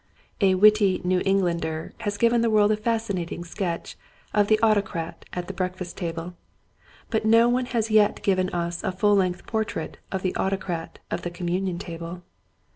A WITTY New Englander has given the world a fascinating sketch of the Autocrat of the Breakfast Table, but no one has yet given us a full length portrait of the Autocrat of the Communion Table.